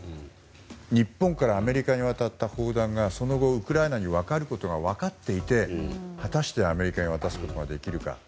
日本からアメリカに渡った砲弾がその後、ウクライナに渡ることが分かっていて果たして、アメリカに渡すことができるか。